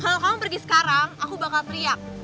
kalau kamu pergi sekarang aku bakal teriak